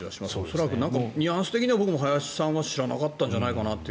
恐らく、ニュアンス的には僕も林さんは知らなかったんじゃないかなって。